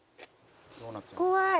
怖い。